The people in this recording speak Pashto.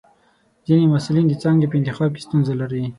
ځینې محصلین د څانګې په انتخاب کې ستونزه لري.